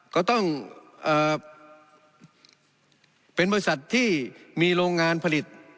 ก็ต้องเป็นบริษัทที่มีโรงงานผลิต